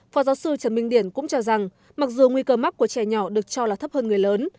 phó giáo sư trần minh điển cũng cho rằng mặc dù nguy cơ mắc của trẻ nhỏ được cho là thấp hơn người lớn